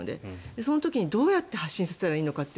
その時にどうやって発進させたらいいのかって